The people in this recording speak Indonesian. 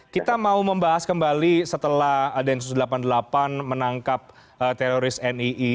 kita mau membahas kembali setelah densus delapan puluh delapan menangkap teroris nii